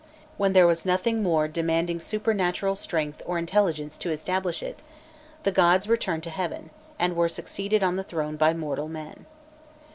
When there was nothing more demanding supernatural strength or intelligence to establish it, the gods returned to heaven, and were succeeded on the throne by mortal men.